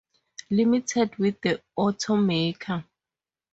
Limited with the automaker.